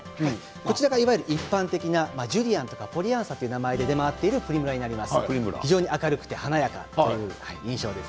こちらがいわゆる一般的なジュリアンやポリアンサという名前で出回っています